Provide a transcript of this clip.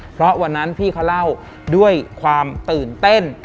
เพราะวันนั้นพี่เขาเล่าด้วยความตื่นเต้น